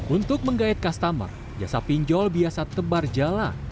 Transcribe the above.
untuk menggait customer jasa pinjol biasa tebar jalan